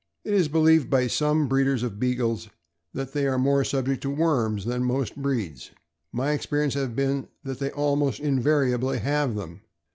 It is believed by some breeders of Beagles that they are more subject to worms than most breeds. My experience has been that they almost invariably have them.